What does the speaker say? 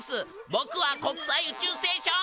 ぼくは国際宇宙ステーション。